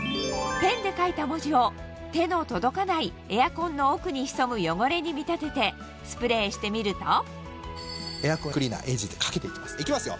ペンで書いた文字を手の届かないエアコンの奥に潜む汚れに見立ててスプレーしてみると「エアコンクリーナーＡｇ＋」かけていきますいきますよ！